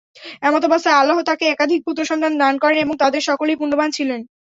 এমতাবস্থায় আল্লাহ তাকে একাধিক পুত্র সন্তান দান করেন এবং তাঁদের সকলেই পূণ্যবান ছিলেন।